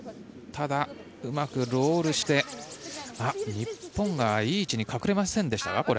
ただ、うまくロールして日本がいい位置に隠れませんでしたか？